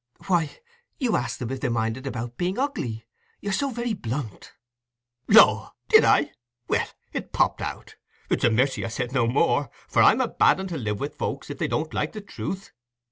"Why, you asked them if they minded about being ugly—you're so very blunt." "Law, did I? Well, it popped out: it's a mercy I said no more, for I'm a bad un to live with folks when they don't like the truth.